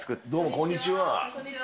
こんにちは。